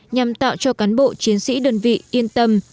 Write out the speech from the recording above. nhằm tạo cho cán bộ chiến sĩ đơn vị yên tâm